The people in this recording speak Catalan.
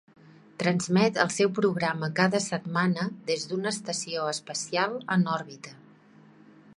Transmet el seu programa cada setmana des d'una estació espacial en òrbita.